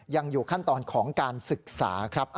ยังอยู่ขั้นตอนของการศึกษาครับ